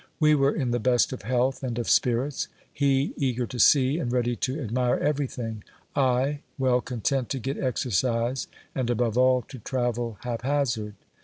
We were in the best of health and of spirits : he, eager to see and ready to admire everything ; I, well content to get exercise and, above all, to travel haphazard.